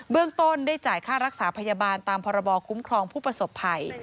เรื่องต้นได้จ่ายค่ารักษาพยาบาลตามพรบคุ้มครองผู้ประสบภัย